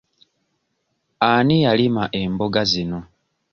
Ani yalima emboga zino?